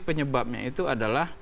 penyebabnya itu adalah